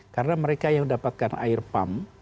karena mereka yang dapatkan air pump